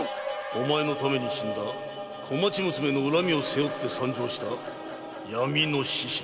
⁉お前のために死んだ小町娘の恨みを背負い参上した闇の使者。